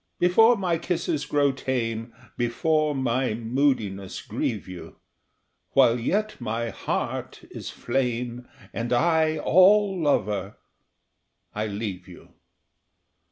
Before my kisses grow tame, before my moodiness grieve you, While yet my heart is flame, and I all lover, I leave you.